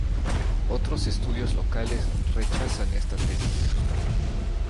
Otros estudios locales rechazan esta tesis.